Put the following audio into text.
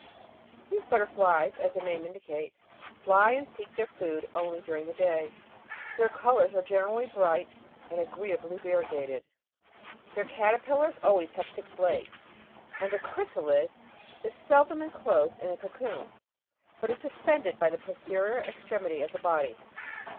These butterflies, as their name indicates, fly and seek their food only during the day ; their colours are generally bright and agreeably variegated. Their caterpillars always have six legs, and the chrysalid is seldom enclosed in a cocoon, but is suspended by the posterior extremity of the body.